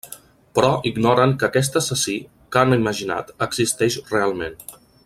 Però ignoren que aquest assassí que han imaginat existeix realment.